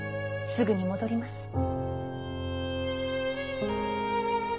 すぐに戻ります。